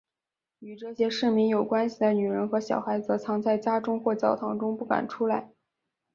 与这些市民有关系的女人和小孩则藏在家中或教堂中不敢出来。